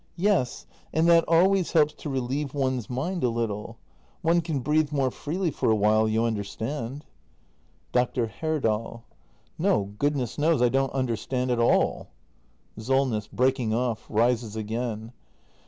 Yes; and that always helps to relieve one's mind a little. One can breathe more freely for a while, you understand. act i] THE MASTER BUILDER 279 Dr. Herdal. No, goodness knows, I don't understand at all SOLNESS. [Breaking off, rises again.